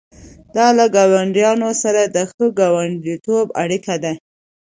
دا له ګاونډیانو سره د ښه ګاونډیتوب اړیکه ده.